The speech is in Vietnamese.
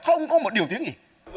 không có một điều tiếng gì